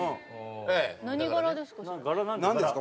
何柄ですか？